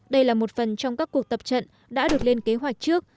đây là một phần trong các cuộc tập trận đã được lên kế hoạch trước